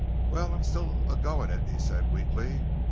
"Well, I'm still a going it," he said weakly.